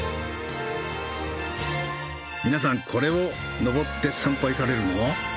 皆さんこれを登って参拝されるの？